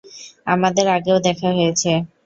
আমাদের আগেও দেখা হয়েছে।